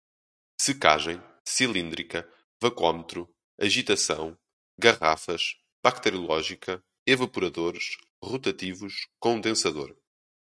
secagem, cilíndrica, vacuômetro, agitação, garrafas, bacteriológica, evaporadores, rotativos, condensador